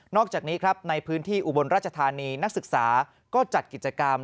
อกจากนี้ครับในพื้นที่อุบลราชธานีนักศึกษาก็จัดกิจกรรม